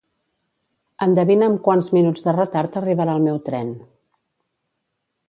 Endevina amb quants minuts de retard arribarà el meu tren